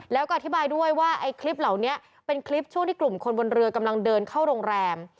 แล้วก็อธิบายด้วยว่าไอ้คลิปเหล่านี้เป็นคลิปช่วงที่กลุ่มคนบนเรือกำลังเดินเข้าโรงแรม